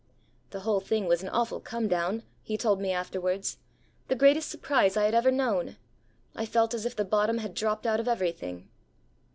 'The whole thing was an awful come down,' he told me afterwards, 'the greatest surprise I had ever known. I felt as if the bottom had dropped out of everything.'